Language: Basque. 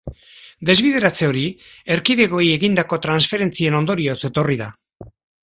Desbideratze hori erkidegoei egindako transferentzien ondorioz etorri da.